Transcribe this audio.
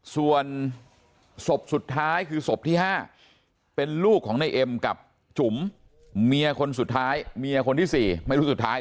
ส่วนศพที่๕เป็นลูกของในเอ็มกับจุ๋มเมียที่สุดท้าย